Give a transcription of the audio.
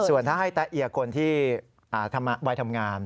ส่วนถ้าให้แตะเอียคนที่วัยทำงาน